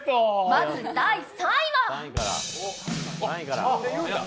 まず第３位は？